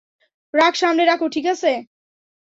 রাগ সামলে রাখো, ঠিক আছে?